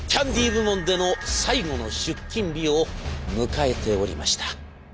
部門での最後の出勤日を迎えておりました。